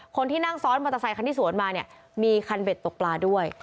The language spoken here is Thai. คนที่นั่งซ้อนมอเตอร์ไซคันที่สวนมาเนี่ยมีคันเบ็ดตกปลาด้วย